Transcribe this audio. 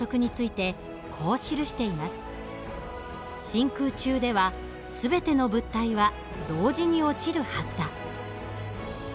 「真空中では全ての物体は同時に落ちるはずだ」。